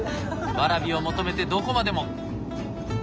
ワラビを求めてどこまでも。